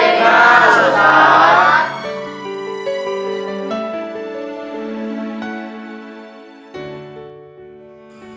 baik ya ustadz